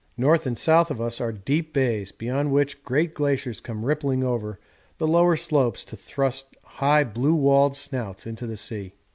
North and south of us are deep bays, beyond which great glaciers come rippling over the lower slopes to thrust high blue walled snouts into the sea.